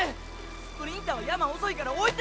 スプリンターは山遅いから置いて！